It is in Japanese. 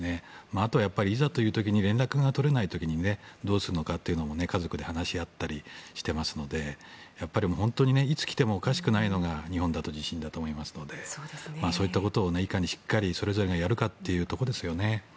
あとはいざという時に連絡が取れない時にどうするのかというのも家族で話し合ったりしていますのでやはりいつ来てもおかしくないのが日本だと地震だと思いますのでそういったことをいかにそれぞれがやるかというところですよね。